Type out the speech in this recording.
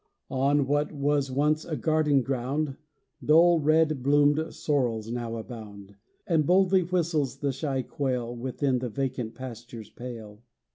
On what was once a garden ground Dull red bloomed sorrels now abound; And boldly whistles the shy quail Within the vacant pasture's pale.